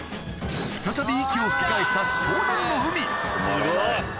再び息を吹き返した湘南乃海すごい！